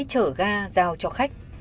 chở gà giao cho khách